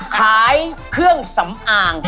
ขายเครื่องสำอาง